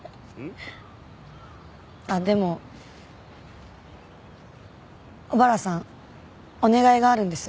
あっでも小原さんお願いがあるんです。